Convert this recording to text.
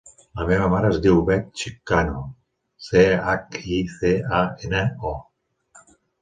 La meva mare es diu Bet Chicano: ce, hac, i, ce, a, ena, o.